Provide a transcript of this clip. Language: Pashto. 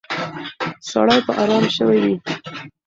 سړی به ارام شوی وي.